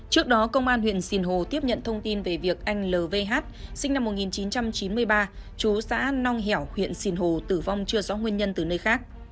trước đó công an huyện sinh hồ tiếp nhận thông tin về việc anh lvh sinh năm một nghìn chín trăm chín mươi ba chú xã nong hẻo huyện sìn hồ tử vong chưa rõ nguyên nhân từ nơi khác